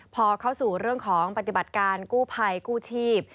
พอเข้าสู่เรื่องของปฏิบัติการกู้ภัยกู้ชีพ